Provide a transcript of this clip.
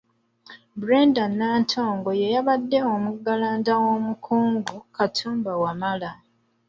Brenda Nantongo y’abadde omuggalanda w'omukungu Katumba Wamala.